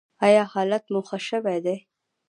ایا حالت مو ښه شوی دی؟